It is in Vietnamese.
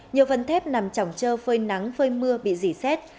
nhiều phần thép nằm trỏng trơ phơi nắng phơi mưa bị dỉ xét